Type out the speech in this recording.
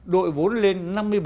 đội vốn lên năm mươi bảy